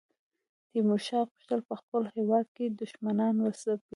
تیمورشاه غوښتل په خپل هیواد کې دښمنان وځپي.